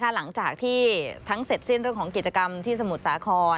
หลังจากที่ทั้งเสร็จสิ้นเรื่องของกิจกรรมที่สมุทรสาคร